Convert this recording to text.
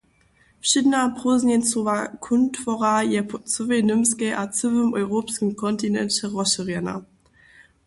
Wšědna prózdnjeńcowa kuntwora je po cyłej Němskej a cyłym europskim kontinenće rozšěrjena.